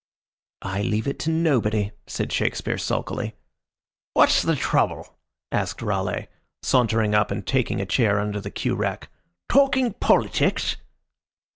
"I leave it to nobody," said Shakespeare, sulkily. "What's the trouble?" asked Raleigh, sauntering up and taking a chair under the cue rack. "Talking politics?"